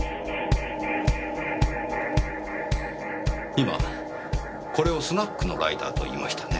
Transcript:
今これをスナックのライターと言いましたね？